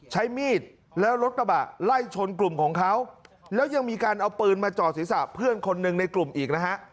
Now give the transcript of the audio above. ใช้มีดแล้วรถกระบะไล่ชนกลุ่มของเขาแล้วยังมีการเอาปืนมาจอดศีรษะเพื่อนคนหนึ่งในกลุ่มอีกนะฮะ